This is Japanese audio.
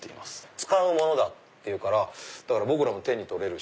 使うものだっていうから僕らも手に取れるし。